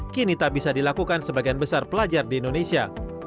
kini tak bisa dilakukan sebagian besar pelajar di indonesia